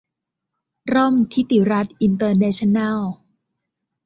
ร่มธิติรัตน์อินเตอร์เนชั่นแนล